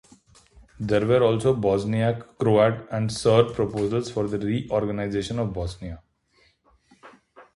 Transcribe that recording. There were also Bosniak, Croat and Serb proposals for the reorganisation of Bosnia.